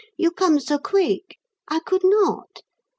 You come so quick, I could not.